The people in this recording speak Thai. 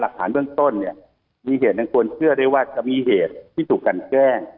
หลักฐานเบื้องต้นเนี่ยมีเหตุอันควรเชื่อได้ว่าจะมีเหตุที่ถูกกันแกล้ง